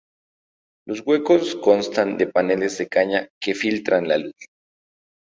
Los huecos constan de paneles de caña que filtran la luz.